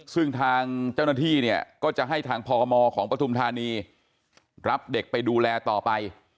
ซึ่งทางเจ้าหน้าที่เนี่ยก็จะให้ทางพมของปฐุมธานีรับเด็กไปดูแลต่อไป